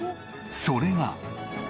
それが。